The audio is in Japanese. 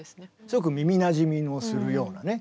すごく耳なじみのするようなね